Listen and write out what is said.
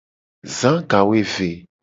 Za gawoeve.